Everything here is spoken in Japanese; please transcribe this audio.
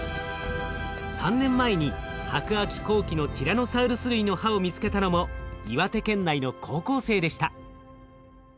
３年前に白亜紀後期のティラノサウルス類の歯を見つけたのも岩手県内の高校生でした。